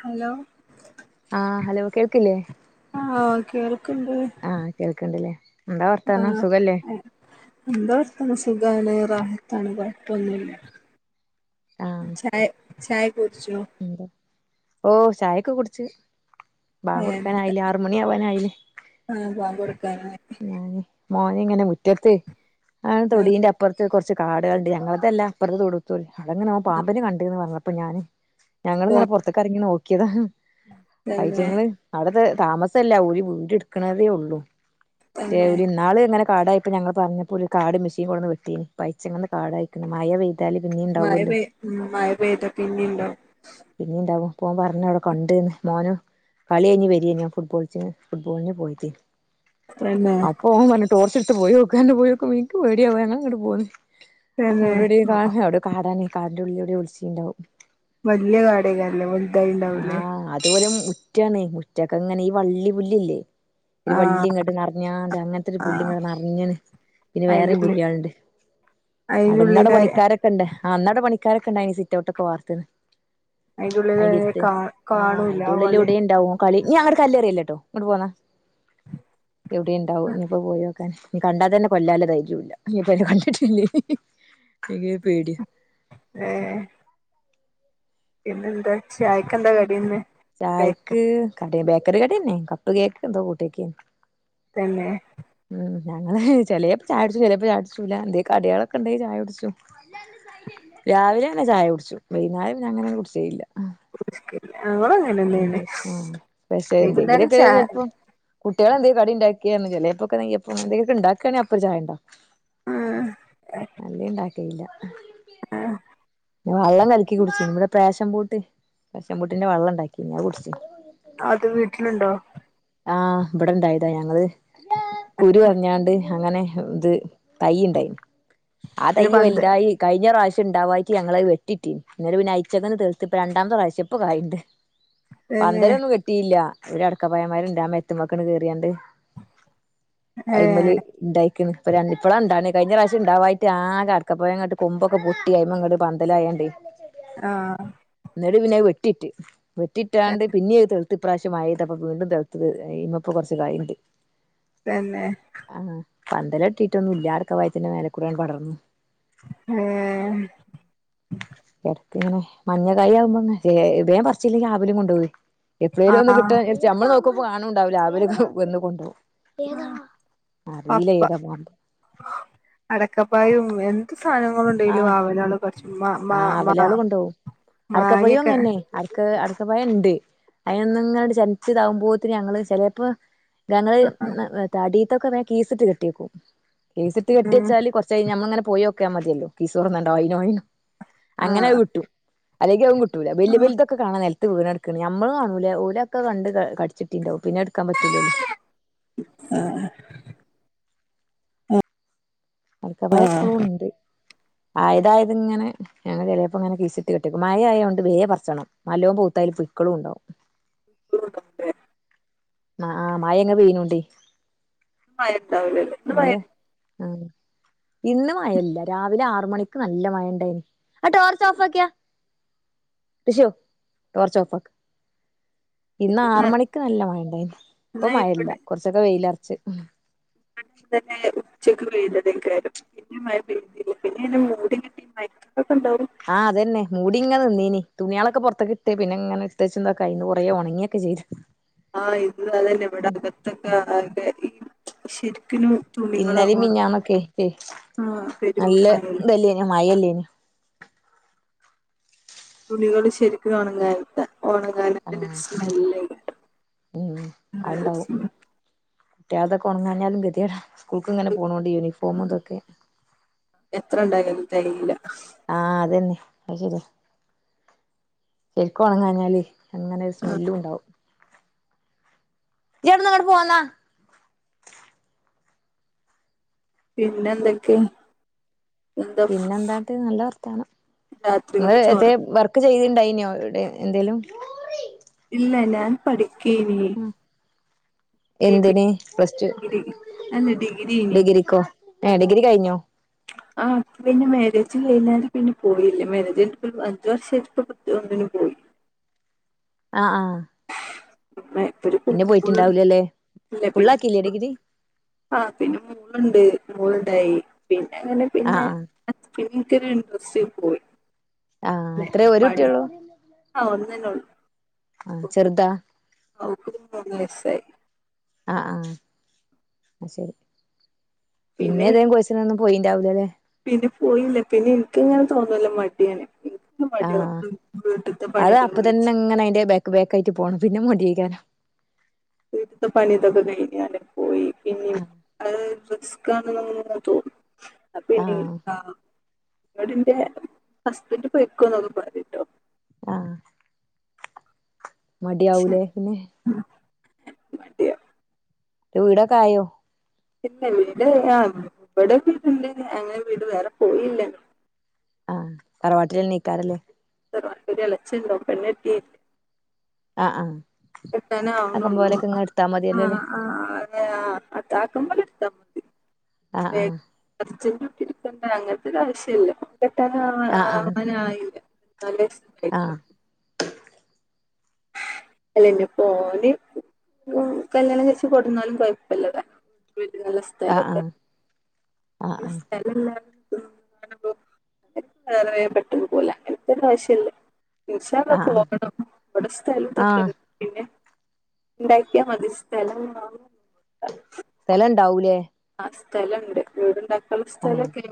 Hello ആഹ് hello കേൾക്കില്ലേ ആഹ് കേൾക്ക്ണ്ട് ആഹ് കേൾക്ണ്ടല്ലേ ആഹ് എ എന്തർത്തനം സുഖാല്ലെ റാഹത്താണ് കൊ പ്പൊന്നുല്ല ചായ് ചായ കുടിച്ചോ ന്ത ഓഹ് ചായക്കെ കുടിച് ഏഹ് ബാങ്കോടുക്കാനായില്ലേ ആറുമണി ആവാനായില്ലേ ആഹ് ബാങ്ക് കൊടുക്കാനായി ഞാന് മോനിങ്ങനെ മുറ്റത്ത് ആ ആഹ് തൊടീന്റെ അപ്പറത്ത് കൊറച്ച് കാടേള്ണ്ട് ഞങ്ങളതല്ലാ അപ്പറത്ത് തൊടു [unintelligible] അവ്ടങ്ങന ഓൻ പാമ്പിനെ കണ്ടിന്ന് പറഞ്ഞപ്പോ ഞാന് ഓ ഞങ്ങളിങ്ങനെ പൊറ്ത്ക്ക് എറങ്ങി നോക്ക്യതാ തന്നെ അയ്റ്റങ്ങള് അവ്ടത്തെ താമസല്ല ഓര് വീട് ഇട്ക്ണതേ ഉള്ളൂ ക്ഷെ തന്നെ ഒര് ഇന്നാള് ഇങ്ങ കാടായ്പ്പോ ഞങ്ങൾ പറഞ്ഞപ്പോ ഓല് കാട് മെഷീൻ കൊടുന്ന് വെട്ടിനി പയച്ചങ്ങന്ന് കാടായിക്ക്ണ് മഴപെയ് താല് പിന്നിം മയ പെയ് മഴപെയ്ത പിന്നിണ്ടാഉ പിന്നീണ്ടാവും പ്പൊ ഓൻ പറഞ് അവടെ കണ്ട്ന്ന് മോന കളിയ്ഞ് വെരേഞ് ഫുട്ബോൾച്ച് ഫുട്ബോളിന് പോയിട്ട് തന്നെ അപ്പൊ ഓന് പറഞ്ഞ് ടോർച്ച് എടുത്ത് പോയോക്ക് ന്ന് പറഞ്ഞ് പോയോക്കുമ്പം എൻക്ക് പേടിയവ ഞാങ്ങട്ട് പോന്നു തന്നെ അവിടെ ടി കാടാണ് കാടിന്റെ ഉള്ളില് ഒളിച്ചിണ്ടാവും വല്യ കാടായിക്കാരം ആ അതൊരു ഉറ്റാണ് ഉറ്റക്കെ ങ്ങനെ ഈ വള്ളി പുല്ലില്ലേ ഒരു വള്ളി ആഹ് ഇങ്ങോട്ട് നറഞ്ഞാണ്ട് അങ്ങൻത്തെ ഒരു പുല്ലും ആഹ് നിറഞ്ഞണ് പിന്നെ വേറെയും പുല്ലെളുണ്ട് അയ്ന്റുള്ളിലായ ണ്ട് അന്നടെ പണിക്കാരൊക്കെണ്ടായ്ന്ന് സിറ്റോട്ടൊക്കെ വാർത്ന്ന് അയിന്റെ അയിന്റുള്ളിലായ അടുത്ത് കാ ആഹ് കാണൂല അയിന്റെ ആ ഉള്ളില് വളി എവ്ടെ ഇണ്ടാവും കളി ഞ്ഞി അങ്ങട്ട് കല്ലെറിയല്ലേ ട്ടോ ഇങ്ങട്ട് പോന്ന എവിടെണ്ടാവും ഇഞ്ഞിപ്പോ പോയോ ഞ്ഞി കണ്ടാത്തന്നെ കൊല്ലാനുള്ള ധൈര്യല്ല ഇനിപ്പ അയ്നെ കണ്ടിട്ടില്ലേഖി ഇനി പേടി ഏ പിന്നെന്താ ചായക്കെന്താ കടി ഇന്ന് കടി ബേക്കറി കടിന്നെ കപ്പ് കേക്കെന്തോ കൂട്ടേക്കെ തന്നെ ഉം ഞങ്ങള് ചെലെപ്പ ചായടുച്ചു ചെലപ്പ ചായടിച്ചുല എന്തലു കടിളൊക്കെ ഇണ്ടെകി ചായടിച്ചു രാവിലെ ങ്ങനെ ചായ കുടിച്ചു വൈന്നാരം പിന്നങ്ങനെ കുടിച്ചലില്ല [unintelligible] എന്ത് ആ പക്ഷേ എന്തെങ്കിലും വൈകുന്നേരം ഒക്കെ ചാ ചെലപ്പൊ കുട്ടിള് ന്തെങ്കിലും കടിണ്ടാക്കിറഞ്ഞ ചെലെപ്പോക്കെ നെയ്യപ്പം എന്തൊലൊക്കെ ഇണ്ടാക്കാണങ്കി അപ്പരു ചായ ആ അല്ലെ ഇണ്ടാക്കലില്ല ആഹ് ഞാ വള്ളം കലക്കി കുടിച്ചി ഇവടെ ഫാഷൻ ഫ്രൂട്ട് ഫാഷൻ ഫ്രൂട്ട്ന്റെ വള്ളം ഇണ്ടാക്കിന്ന് അത് കുടിച് അത് വീട്ടിലുണ്ടോ ആഹ് ഇവടെ ഇണ്ടായതാ ഞങ്ങള് കുരു കളഞ്ഞാണ്ട് അങ്ങനെ ഇത് തൈ ഇണ്ടായന്ന് ആ പിന്നെ തൈയ്യ് പന്ത് വലുതായി കഴിഞ്ഞ പ്രാവശ്യം ഇണ്ടാവായ്ട്ട് ഞങ്ങളത് വെട്ടിട്ടീന്ന് ഇന്നിട്ട് പിന്ന അയച്ച തീർത്ത് ഇപ്പം രണ്ടമത് പ്രാവശ്യം ഇപ്പ കായണ്ട് [unintelligible] പന്തലൊന്നും കെട്ടിയില്ല ഒരു അടക്കപ്പായമ്മരണ്ട് ആ മരത്ത്മ്മക്കൻ കേറീങ്ങാണ്ട് ഏ അയിമ്മൽ ഇണ്ടായിക്ക്ണ് ഇപ്പ രൺ ഇപ്പഴാ ഇണ്ടാണ് കഴിഞ്ഞ പ്രാവശ്യം ഇണ്ടാവായ്ട്ട് ആകെ അടക്കപ്പഴങ്ങട്ട് കൊമ്പൊക്കെ പോയി പോയി അതുമേൽ അങ്ങോട്ട് പന്തലായണ്ട് ആഹ് ന്നിട്ട് പിന്നത് വെട്ടിട്ട് വെട്ടിട്ടാണ്ട് പിന്നീത് തെയ്ത്തിങ്ങാണ്ട് ഇപ്രാവശ്യം മഴ വീണ്ടും തെഹ്‌ത് അയ്മ്മപ്പൊ കൊറച്ച് കായ്ണ്ട് തന്നെ അ പന്തലട്ടിട്ടൊന്നും ഇല്ല അടക്കപയത്തിന്നെ മേലെക്കൂടാണ്ട് പടർന്നു ഏഹ് കിടക്ക ഇങ്ങനെ മഞ്ഞ കായ ആകുമ്പോ വേം പറിച്ചില്ലേങ്കി വാവലും കൊണ്ട് പോകെ ആ എപ്പോഴെങ്കിലും ഒന്ന് കിട്ടാൻ വിചാരിച്ച് നമ്മൾ നോക്കുമ്പൾ കാണുണ്ടാവില് വാവൽ ഒക്കെ വന്ന് കൊണ്ടുപകും ഏതാ അറിയില്ല പപ്പ ഏതാ പാട്ടൊന്ന് അടക്കപ്പായും എന്ത് സാധനങ്ങള ഉണ്ടലും ആഹ് ആവലാള് കുറച്ച് മ മ ആഹ് മാ അവലാള് മാങ്ങക്കെ അടക്ക് അടക്കപയ ഉണ്ട് അതിനൊന്നും ഇങ്ങ ചനച്ച് ഇതാകുമ്പോത്തന് ഞങ്ങള് ചിലപ്പോ ഞങ്ങള് അടീത്തൊക്കെ കീസിട്ട് കെട്ടിക്കും കീസിട്ട് കെട്ടി ഉം വെച്ചാല് കൊറ്ച് റച്ച് കയ്ഞ്ഞ നമ്മൾ ഇങ്ങനെ പോയി നോക്കിയാൽ മതിലോ കിസ് [inaudible] ആ അങ്ങനെ കിട്ടും അല്ലെങ്കിൽ അതും കിട്ടൂല ആ വലുത് വലുതൊക്കെ കാണാൻ നിലത്ത് ത്ത് വീണടുക്കണ്. ഞമ്മള് കാണൂല്ല. ഓല് അതൊക്കെ കണ്ട് കടിച്ചിട്ടുണ്ടാവും. പിന്നെ പിന്നെടുക്കാൻ പറ്റൂല്ലല്ലോ. ആഹ് ആഹ് ആ അടക്കാപയംപ്പളുംണ്ട് ആയതായത് ഇങ്ങനെ ഞങ്ങൾ ചെലപ്പോ ഇങ്ങനെ കീസിട്ട് കെട്ടിവെക്കും. മയ ആയോണ്ട് വേം പറച്ചണം. നല്ലോം പൂത്തായ്ല് പുയ്ക്കളുണ്ടാവും [unintelligible] ആഹ് ആഹ് മയങ്ങനെ പെയ്യുന്നോണ്ടേ മയാണ്ടാവൂല്ലല്ലോ. ഇന്ന് മയ ആഹ് ഇന്ന് മയയില്ല. രാവിലെ ആറ് മണിക്ക് നല്ല മയണ്ടായിനി. ആഹ് ടോർച്ച് ഓഫ് ആക്കിയാ. റിഷു ടോർച്ച് ഓഫാക്ക്. ഇന്ന് ആറ് മണിക്ക് നല്ല മയണ്ടായിന്. ഇപ്പ ഇന്ന് മയ ഇല്ല. ഇവിടെ കൊർച്ചൊക്കെ വെയിലെറ്ച്ച്. [unintelligible] ഉച്ചക്ക് പെയ്തത് [unintelligible] പിന്നെ മയ പെയ്തിട്ടില്ല. പിന്നെങ്ങനെ മൂടി [unintelligible] ആഹ് അതന്നെ. മൂടിങ്ങനെ നിന്നീനി. തുണ്യാളക്കെ പൊറത്തക്ക് ഇട്ട് പിന്നെങ്ങനെ ഇട്ത്തെച്ചും ഇതൊക്കെ കയിഞ്ഞ്. കൊറേ ഒണങ്ങിയൊക്കെ ചെയ്ത്. ആഹ് ഇത് അതന്നെ. ഇവടെ അകത്തൊക്കെ [unintelligible] ശരിക്കനും തുണികളാ ഇന്നലെയും ഒണ മിഞ്ഞാന്നൊക്കെ ആഹ് പെരും നല്ല മയല്ലേ? ഇതല്ലേനു മഴല്ലേനു തുണികള് ശരിക്കും ഒണങ്ങാര്ണ്ട്. ഓണങ്ങാഞ്ഞിട്ട് ഒര് ഉം സ്മെല്ല് കിട്ടും. ങ്ങനെ ഒര് സ്മെല്ല് കുട്ടിയാളതോക്കെ ഉണങ്ങാഞ്ഞാലും ഗതിയേടാ. സ്കൂൾക്ക് ഇങ്ങനെ പോണോണ്ടേ. യൂണിഫോമും ഇതൊക്കെ എത്ര ഇണ്ടായാലും തെകയ്ല്ല ആഹ് അതന്നെ. അത് ശര്യാ. ശരിക്കൊണങ്ങാഞ്ഞാലേ അങ്ങനെ ഒരു സ്മെല്ലുണ്ടാവും ഇജ്ജവിടുന്നങ്ങ് പോന്നാ പിന്നെന്തൊക്കെ? പിന്നെ എന്താട്ടാ? നല്ല വർത്താനം. ങ്ങള് രാത്രികൾക്ക് ഇത് ചോറ് വർ ക്ക് ചെയ്യിന്ണ്ടായിനോ എവിടെ എന്തേങ്കലും? ഇല്ല ഞാൻ പഠിക്കേയ്നി എന്തിന്? പ്ലസ്റ്റു? അല്ല ഡിഗ്രി ഇനി ഡിഗ്രിക്കോ? ഏഹ് ഡിഗ്രി കയ്ഞ്ഞോ? ആ [inaudible] ആഹ് പിന്നെ മേരേജ് കഴിഞ്ഞാല് പിന്നെ പോയില്ല. മാരേജ് കഴിഞ്ഞിട്ടിപ്പോരു അഞ്ചു വർഷായിട്ട് ഇപ്പ ഒന്നിനും പോയി ആഹ് ആഹ് [unintelligible] പിന്നെ മോള് പോയിട്ടുണ്ടാവൂല്ലല്ലേ? ഇല്ല പിന്നെ ഫുള്ളാക്കിയില്ലേ ഡിഗ്രി? ആ പിന്നെ മോളുണ്ട്. മോളുണ്ടായി. പിന്നെ അങ്ങനെ ആഹ് പിന്നെ ആഹ് പിന്നെ ഇൻക്കൊരു ഇൻട്രസ്റ്റ് പോയി. ആഹ് അതെ എത്രേ ഒരു പഠി, കുട്ടിയൊള്ളൂ ആഹ് ഒന്നന്നേള്ളൂ ആഹ് ചെറുതാ? അവൾക്കിപ്പം മൂന്ന് വയസായി ആഹ് ആഹ് അത് ശരി. പിന്നെ ഏതേലും കോഴ്‌സിന് ഒന്നും പോയിണ്ടാവില്ലല്ലേ? പിന്നെ പോയില്ല. പിന്നെ എനിക്ക് ഇങ്ങനെ തോന്നുല്ലോ. മട്യാണ്. ഇപ്പോ മടിയാകും. വീട്ടത്തെ പണി ഒക്കെ കഴിച്ച് അങ്ങനെ അതിൻ്റെ ബാ ക്ക് ബാക്കായിട്ട് പോണം. പിന്നെ മട്യായിക്കാനോ വീട്ടിത്തെ പണിയതൊക്കെ കഴിഞ്ഞാലെ പോയി പിന്ന അത് [unintelligible] [unintelligible] തോന്നും പിന്നെ ആഹ് കാണാം [unintelligible] ഹസ്ബൻഡ് പോയിക്കോന്നൊക്കെ പറഞ്ഞട്ടോ ആഹ് മടി ആവുലേ പിന്നെ ആഹ് മടിയാവും വീടൊക്കായോ ഇല്ല വീട് ആഹ് ഇവിടെ വീടുണ്ട് അങ്ങനെ വീട് വേറെ പോയില്ല ആഹ് തറവാട്ടില് നിക്കാറില്ലേ ഹസ്ബൻ്റിൻ്റെ എളെച്ചനൊണ്ട് പെണ്ണ്കെട്ടി ആഹ് ആഹ് കെട്ടാനേ ആക്കം ആവുന്നുള്ളൂ പോലെക്കെ ഇങ്ങ് എടുത്താ മതിയല്ലോല്ലേ ആഹ് ആഹ് ആഹ് ആഹ് അത് ആകുമ്പോലെടുത്താ മതി ആഹ് [unintelligible] ഒട്ടി ഇരിക്കണ്ട അങ്ങനത്തെ ഒരാവശ്യല്ല കെട്ടാന ആഹ് ആഹ് ആവാനായില്ല നല്ലെ ആഹ് ഇളയനെ പോലെ ഉം കല്യാണം കഴിച്ച് കൊടുന്നാലും കൊഴപ്പല്ല വിട്ടി നല്ല ആഹ് ആഹ് ആഹ് ആഹ് സ്ഥല കാണുമ്പ വേറെേ പെട്ടെന്ന് പോല അങ്ങനത്തെ പ്രാവശ്യല്ലേ തീശെ ആഹ് ആഹ് പോകണം ഇവിടെ സ്ഥലത്തൊക്കെ ആഹ് പിന്നെ ഉണ്ടാക്കിയാൽ മതി സ്ഥലം സ്ഥലവുണ്ടാവൂലേ ആഹ് സ്ഥലണ്ട് വീടുണ്ടാക്കാനുള്ള ആഹ് സ്ഥലക്കെ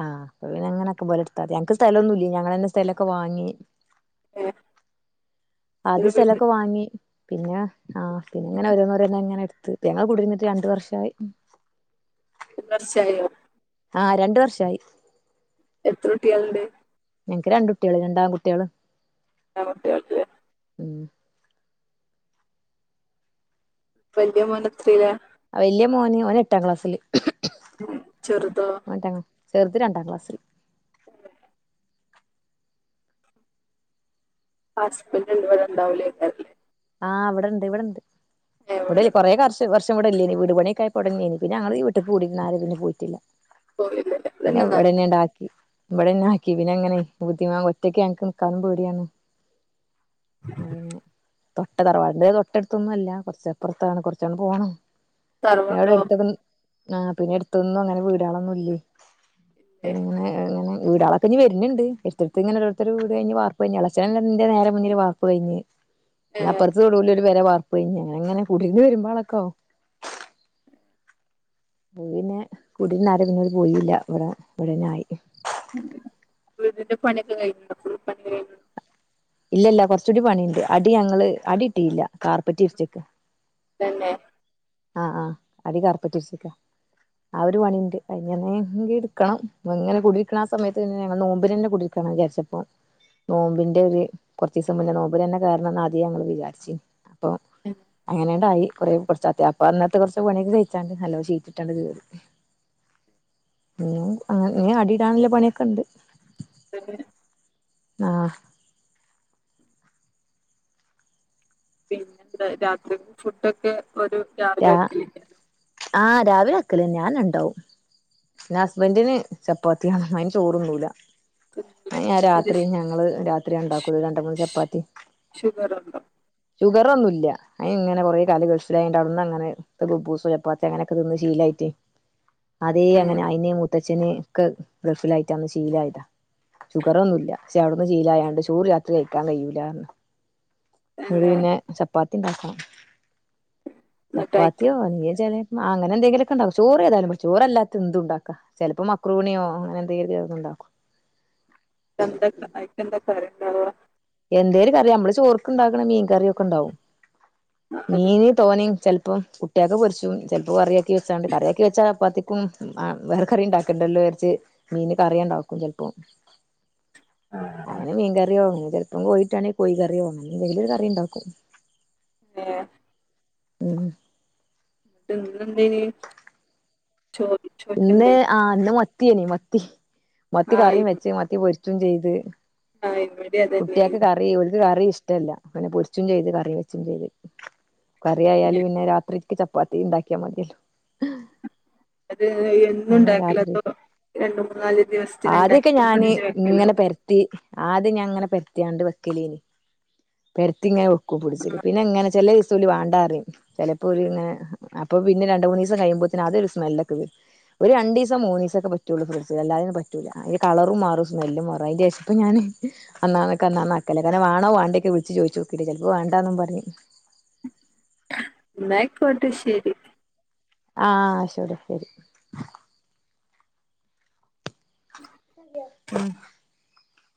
ആഹ് അപ്പൊ പിന്നെ അങ്ങനൊക്കും പോലടുത്തതി ഞങ്ങക്ക് സ്ഥലൊന്നുല്ല ഞങ്ങളന്നെ സ്ഥലക്കെവാങ്ങി ഏഹ് ആദ്യം സ്ഥലൊക്കെ വാങ്ങി പിന്നെ ആഹ് പിന്നെങ്ങനെ ഒരോന്നോരോന്നിങ്ങനെ എടുത്ത് ഇപ്പം ഞങ്ങൾ കുടിരുന്നിട്ട് രണ്ടു വർഷായി [unintelligible] കൊറച്ചായോ ആഹ് രണ്ട് വർഷവായി എത്ര കുട്ടികളുണ്ട് ഞങ്ങക്ക് രണ്ട് കുട്ടികള് രണ്ട് ആൺകുട്ടികള് [unintelligible] കുട്ടികൾക്ക് ഉം വല്യ മോൻ എത്രയിലാ വല്യ മോന് ഓന് എട്ടാം ക്ലാസ്സില് ഉും ചെറുതോ [unintelligible] ചെറുത് രണ്ടാം ക്ലാസ്സില് ഉം ഹസ്ബൻ്റ [unintelligible] ഉണ്ടാവുലേ ആഹ് ഇവിടെണ്ട് ഇവിടെണ്ട് ഇവിടെ കൊറേ കാറച്ച് വർഷ [unintelligible] ഇവിടില്ലേനി വീട് പണിയക്കാപ്പൊ അവടെന്നെന്നി പിന്ന ഞങ്ങള് [unintelligible] ആരും പിന്ന പോയിട്ടില്ല പോയില്ല പിന്നെ അതന്നെ നല്ല ഇവിടന്നെ ണ്ടാക്കി ഇവിടെന്നാക്കി പിന്നെ എങ്ങനെ [unintelligible] ഒറ്റക്ക് ഞങ്ങക്ക് നിക്കാനും പേടിയാണ് അങ്ങനെ തൊട്ട തറവാടിന്റെ തൊട്ടടുത്തൊന്നുംഅല്ല കൊർച്ചപ്പൊർത്താണ് കുറച്ചട്പോണം ഞ തറവാട് എവ്ടെഅട്ത്ത ആഹ് പിന്നെ എട്തൊന്നും അങ്ങനെ വീടോളൊന്നും ഇല്ലേ ഇല്ലേ പിന്നെങ്ങനെങ്ങനെ വീടൊളെ ഇപ്പനി വെര്ന്ണ്ട് എട്ത്തെട്ത്ത് ങ്ങനെഒരോട്തൊര് വീട്ഞ് വാർപെയ് ഞ്എളച്ചന് ന്റെനേരെമുന്നില് വാർ പ്പ് കെയ്ഞ് ഏഹ് അപ്പൊർത്ത് തൊടുല് ഒരുപേരവാർപ്പെയ്ഞ്ഞ് അങ്ങനങ്ങനെ കുടിന്ന് വരുമ്പാളൊക്കാവും പോ പിന്നെ കൂടിര്ന്നാരും പിന്നോല് പോയില്ല ഇവടെ വടന്നായി വീടിന്റെ പണിയൊക്കെ കയ്ഞ്ഞോ ഫുൾപണികയ്ഞ്ഞോ ഇല്ല ഇല്ല ക്കൊർച്ചൂടി പണിണ്ട് അടി ഞങ്ങള്അടിഇട്ടില്ല കാർപ്പറ്റ് വിര്ച്ച്ക്ക തെന്നെ ആഹ് ആഹ് അടി കാർപ്പറ്റിരിച്ചിക്ക ആ ഒര്പണിണ്ട് അഹ് ഞ്ങ്ങനെങ്കിട്ക്കണം ഇങ്ങനെ കുടരിക്കണാ സമയത്ത് പിന്നെ ഞങ്ങൾ നോമ്പിനന്നെകുടി കണം ജാര്ച്ചപ്പൊ നോമ്പിന്റെര് കൊർചീസംമുന്നേ നോമ്പിനന്നെകേരണംന്ന് ആത്യേ ഞങ്ങള് വിചാര്ച്ചീ പ്പൊ അങ്ങനെണ്ടായി കൊറേ ക്കൊർച്ചാത്യാം പ്പഅന്നത്തെ കൊർച്ച്പണിഒക്കെ കൈച്ചാണ്ട് നല്ലോ ഷീറ്റ്ട്ടണ്ട് കേറി [unintelligible] അങ്ങനെ ഞ് അടിടാൻള്ള പണിക്കെ ഉണ്ട് [unintelligible] ആഹ് പിന്നെ എന്ത രാത്രി ഫുഡോക്കെ ഒരു രാവിലെ രാ വക്കല് ല്ലേ ആഹ് രാവിലെ വെക്കലേന്നെ ആനെണ്ടാവും ന്നെ ഹസ്ബന്റിന് ചപ്പാത്യാ അയ്ന് ചോറുന്നൂല തിന്നൂലേ അയ്ന് എന്ത് ഞാരാത്രി ഞങ്ങള് രാത്രി ഉണ്ടാക്കൂ രണ്ട് മൂന്ന് ചപ്പാത്തി ഷുഗറ്ണ്ടോ ഷുഗറൊന്നുല്ല്യ അയ്ങ്ങനെ ക്കൊറെ കാല ഗൾഫില ട്ടഔട്ന്നങ്ങനെ കുബ്ബൂസ് ച്ചപ്പാത്തി അങ്ങനെക്കെ തിന്ന് ശീലായിട്ട് അതേ ഏഹ് അങ്ങനെഅയ്ന് മുത്ത ച്ഛന്ക്കെ ഗൾഫിലായിട്ടന്ന് ഷീലയതാ ഷുഗറൊന്നുല്ല്യ ക്ഷേഔട്ന്ന് ശീലായാണ്ട് ചോറ് രാത്രി കഴിക്കാൻ കഴയുല്ലാന്ന് ന്നട്ട് തന്നെ വിന്നെ ചപ്പാത്തി ഉണ്ടാക്കണം എന്നിട്ട് അയക്ക ചപ്പാത്തിയോ നീ ചെലേഅങ്ങനെ എന്തെങ്കിലൊക്കെണ്ടാക്കും ചോറ് ഏതായാലും ചോറല്ലാത്ത എന്തുണ്ടാക്കാ ച്ചെൽപ്പം മക്രൊണ്യോ അങ്ങനെ ന്തേലും ചേലോസം ണ്ടാകും ട്ടെന്ത ഐകെന്താ ക്കറിണ്ടാവ എന്തേലും കറി നമ്മള് ചോറ്ക്ക്ണ്ടാക്ക്ണ മീൻ കറിഒക്ക ണ്ടാവും അത് മീന് തോന്നിം ചെൽപ്പം കുട്ട്യാക്ക് പൊരിച്ചും ചെൽപ്പോകറിആക്കി വെച്ചാണ്ട് കറി ആക്കി വച്ചാപ്പാത്തി ക്കും വെറ കറിണ്ടാക്കണ്ടല്ലോ വെര്ച്ച് മീന് കറിയാണ്ടാക്കും ചെൽപ്പോ അങ്ങനെ മീൻകറ്യോ ചെൽപ്പം കോയിട്ടാണെ കോഴികറ്യോ എന്തെങ്കിലും ഒരു കറിണ്ടാക്കും ഏഹ് ഉം ട്ട് ഇന്ന് എന്തേയ്ന്ന് ച്ചോ ഇന്ന് ആ ഇന്ന് മത്യയ്ന് മത്തി മത്തി കറിംവെച്ച് മത്തി പൊരിച്ചും ചെയ്ത് ആ [unintelligible] കുട്ട്യാക്ക് കറി ഓൽക്ക് കറി ഇഷ്ടല്ല അങ്ങനെ പൊരിച്ചും ചെയ്ത് കറി വെച്ചും ചെയ്ത് കറിആയാല് പിന്നെ രാത്രിക്ക് ചപ്പാത്തി ണ്ടാക്ക്യമത്യല്ലോ ന്നട്ട് അങ്ങനെ രാത്രി എന്നുംണ്ടാക്കലാഅതൊ രണ്ട് മൂന്നാല് ദിവസത്തിന് ണ്ടാക്കി ഫ്രിഡ്ജ് വെക്കലോ ത്തി ആദ്യം ഞാങ്ങനെ പെരത്യാണ്ട് വെക്കലീനി പെരത്തിങ്ങനെവെ ക്കു ഫിഡ്ജില് പിന്നെ ങ്ങനെ ചെലേസ് ചൊല് വാണ്ടാറിം ച്ചെലപ്പോല്ങ്ങനെ അപ്പൊ പിന്നെ രണ്ട് മൂനീസം കഴിയുമ്പോഅതൊര് സ്മെല്ലൊക്കെ വെരും ഒര് രണ്ടീസം മൂനീസം ഒക്കെപറ്റുള്ളൂ ഫ്രഡ്ജ അല്ലാതെപറ്റൂല അതിന്റെ കളറുംമാറും സ്മെല്ലും മാറും അയ്ന്റെഷ ഇപ്പ ഞാന് അന്നാന്നെക്ക്ല് കാരണം വാണോ വാണ്ടൊക്കെ വിളിച്ചു ചോയ്ച്ച് ചെൽപ്പോ വണ്ടാന്നും പറയും ന അയ്കോട്ടെ ശെരി ആഹ് ശെരിശെരി ഉം